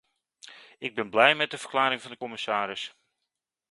Ik ben blij met de verklaring van de commissaris.